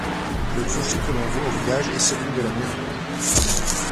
Le clocher que l'on voit au village est celui de la mairie.